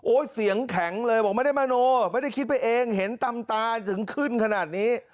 เสียงแข็งเลยบอกไม่ได้มโนไม่ได้คิดไปเองเห็นตำตาถึงขึ้นขนาดนี้